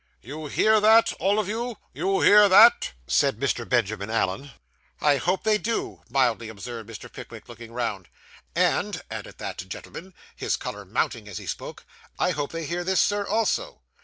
'You hear that, all of you; you hear that?' said Mr. Benjamin Allen. 'I hope they do,' mildly observed Mr. Pickwick, looking round, 'and,' added that gentleman, his colour mounting as he spoke, 'I hope they hear this, Sir, also.